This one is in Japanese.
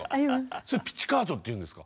それピチカートっていうんですか？